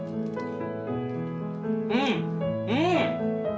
うんうん！